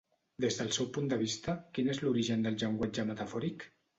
Des del seu punt de vista, quin és l’origen del llenguatge metafòric?